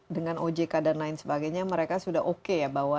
dengan ojk dan lain sebagainya mereka sudah oke ya bahwa